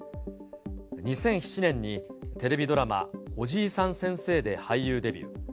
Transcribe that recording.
２００７年にテレビドラマ、おじいさん先生で俳優デビュー。